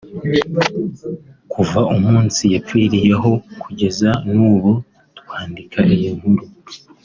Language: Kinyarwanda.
Kuva umunsi yapfiriyeho kugeza n’ubu twandika iyi nkuru